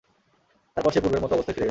তার পর সে পূর্বের মত অবস্থায় ফিরে গেল।